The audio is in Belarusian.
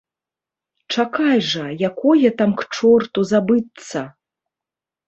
Чакай жа, якое там к чорту забыцца!